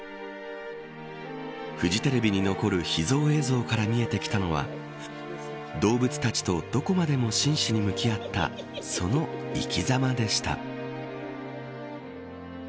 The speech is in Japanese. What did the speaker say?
フジテレビに残る秘蔵映像から見えてきたのは動物たちとどこまでも真摯に向き合ったその生き様でした。